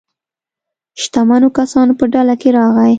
شتمنو کسانو په ډله کې راغی.